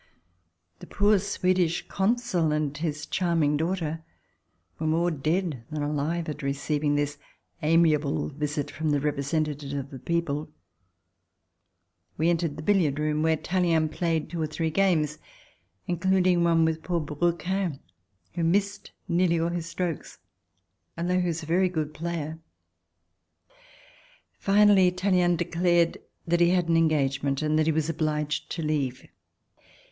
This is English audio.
The poor Swedish Consul and his charming daughter were more dead than alive at receiving this amiable visit from the representative of the people. We entered the billiard room, where Tallien played two or three games, including one with poor Brou quens, who missed nearly all his strokes, although he was a very good player. Finally Tallien declared that he had an engage ment and that he was obliged to leave.